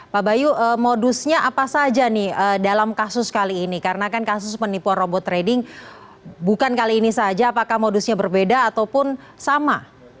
pak bayu modusnya apa saja nih dalam kasus kali ini karena kan kasus penipuan robot trading bukan kali ini saja apakah modusnya berbeda ataupun sama